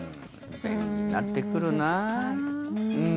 便利になってくるなあ。